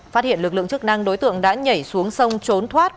phát hiện lực lượng chức năng đối tượng đã nhảy xuống sông trốn thoát